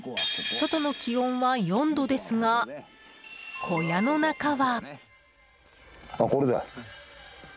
外の気温は４度ですが小屋の中は。